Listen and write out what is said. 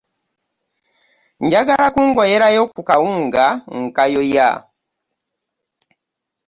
Njagala kungoyerayo ku kawunga nkayoya.